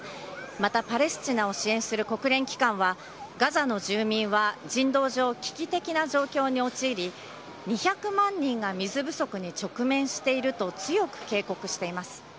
またパレスチナを支援する国連機関は、ガザの住民は、人道上危機的な状況に陥り、２００万人が水不足に直面していると、強く警告しています。